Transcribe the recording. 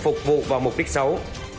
phục vụ vào mục đích xấu